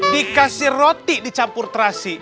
dikasih roti dicampur terasi